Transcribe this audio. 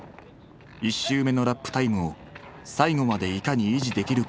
１周目のラップタイムを最後までいかに維持できるかが問われる。